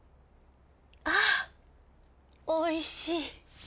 あおいしい。